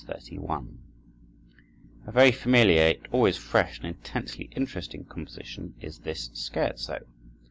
31 A very familiar, yet always fresh and intensely interesting composition is this scherzo.